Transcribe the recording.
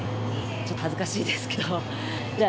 ちょっと恥ずかしいですけどじゃあ。